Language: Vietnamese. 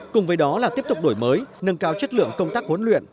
cùng với đó là tiếp tục đổi mới nâng cao chất lượng công tác huấn luyện